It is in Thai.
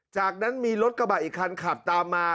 จากนั้นมีรถกระบะอีกคันขับตามมา